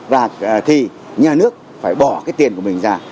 và thì nhà nước phải bỏ cái tiền của mình ra